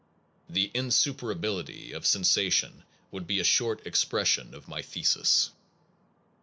The insuperability of sensation would be a short expression of my thesis.